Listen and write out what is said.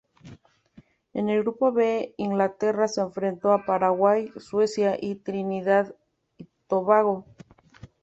En el Grupo B, Inglaterra se enfrentó a Paraguay, Suecia y Trinidad y Tobago.